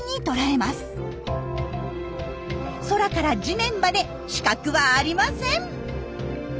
空から地面まで死角はありません！